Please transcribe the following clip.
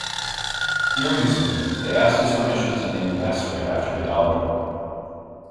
During this meeting, they asked his permission to name the asteroid after Hidalgo.